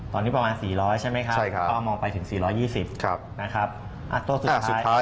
ตอนนี้ประมาณ๔๐๐ใช่ไหมครับก็มองไปถึง๔๒๐นะครับตัวสุดท้าย